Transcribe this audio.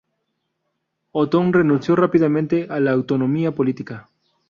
Otón renunció rápidamente a la autonomía política.